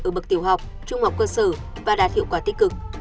ở bậc tiểu học trung học cơ sở và đạt hiệu quả tích cực